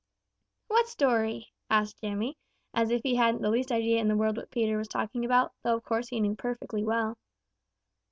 "What story?" asked Jimmy, as if he hadn't the least idea in the world what Peter was talking about, though of course he knew perfectly well.